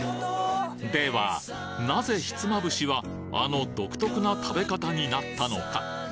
では、なぜひつまぶしは、あの独特な食べ方になったのか。